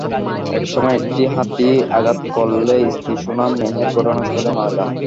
একসময় একটি হাতি আঘাত করলে স্ত্রী সোনা মেহের ঘটনাস্থলে মারা যান।